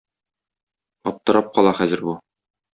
Аптырап кала хәзер бу.